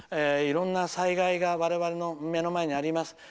いろんな災害が我々の目の前にあります。